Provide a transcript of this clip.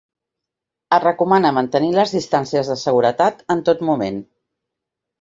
Es recomana mantenir les distàncies de seguretat en tot moment.